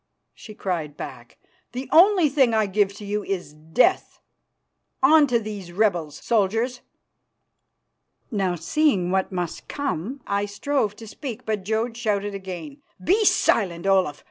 she cried back. "The only thing I give to you is death. On to these rebels, soldiers!" Now, seeing what must come, I strove to speak, but Jodd shouted again, "Be silent, Olaf.